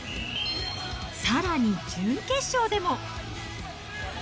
さらに準決勝でも。